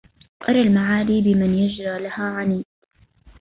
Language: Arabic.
أرى المعالي بمن يرجى لها عنيت